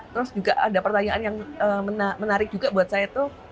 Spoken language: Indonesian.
terus juga ada pertanyaan yang menarik juga buat saya tuh